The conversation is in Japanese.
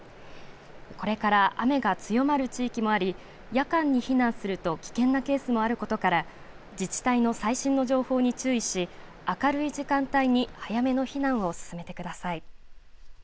これから雨が強まる地域もあり夜間に避難すると危険なケースもあることから自治体の最新の情報に注意し明るい時間帯に早めの避難を進めてください。